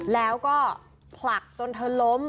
แล้วก็ผลักจนเธอล้ม